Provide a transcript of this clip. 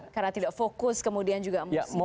karena tidak fokus kemudian juga musim